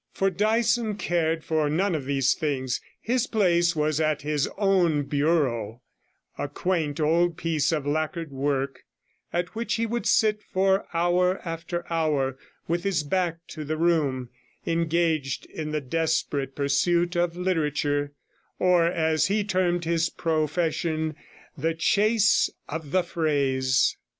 For Dyson cared for none of these things; his place was at his own bureau, a quaint old piece of lacquered work, at which he would sit for hour after hour, with his back to the room, engaged in the desperate pursuit of literature, or, as he termed his profession, the chase of the phrase.